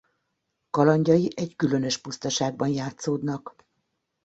Kalandjai egy különös pusztaságban játszódnak.